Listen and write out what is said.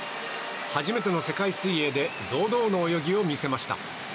初めての世界水泳で堂々の泳ぎを見せました。